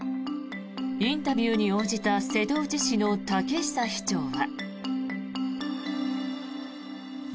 インタビューに応じた瀬戸内市の武久市長は。